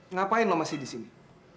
ngapain lo masih disini